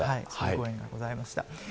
機会がございました。